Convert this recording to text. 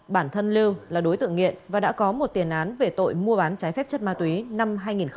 bản thân lưu là đối tượng nghiện và đã có một tiền án về tội mua bán trái phép chất ma túy năm hai nghìn hai